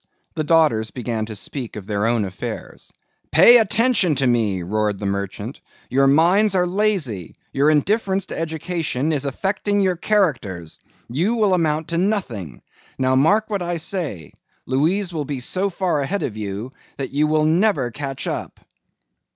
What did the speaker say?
The daughters began to speak of their own affairs. "Pay attention to me," roared the merchant. "Your minds are lazy. Your indifference to education is affecting your characters. You will amount to nothing. Now mark what I say—Louise will be so far ahead of you that you will never catch up."